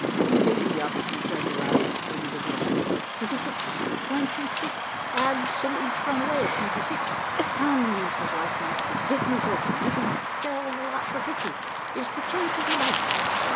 In vain the auctioneer tried to rouse her to another bid. "Twenty six, twenty six. Absolutely thrown away at twenty six. Come, Mrs. Rosnosky, give me thirty. You can sell the lot for fifty. It's the chance of your life."